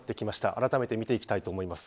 あらためて見ていきたいと思います。